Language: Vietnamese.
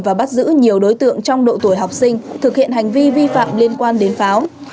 và bắt giữ nhiều đối tượng trong độ tuổi học sinh thực hiện hành vi vi phạm liên quan đến pháo